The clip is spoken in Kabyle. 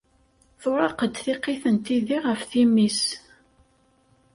Turraq-d tiqit n tidi ɣef timmi-s.